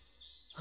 あ？